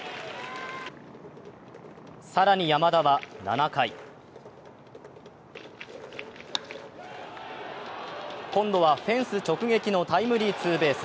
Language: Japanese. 更に山田は７回今度はフェンス直撃のタイムリーツーベース。